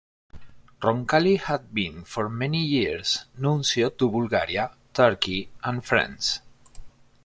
Roncalli had been for many years Nuncio to Bulgaria, Turkey and France.